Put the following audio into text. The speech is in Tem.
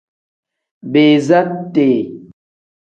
Biiza tee.